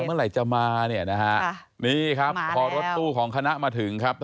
เมื่อไหร่จะมาพอลวตตู้ของคณะมาถึง